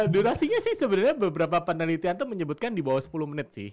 durasinya sih sebenarnya beberapa penelitian itu menyebutkan di bawah sepuluh menit sih